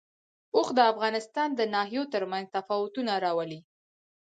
اوښ د افغانستان د ناحیو ترمنځ تفاوتونه راولي.